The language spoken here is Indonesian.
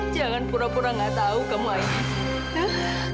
jangan pura pura gak tahu kamu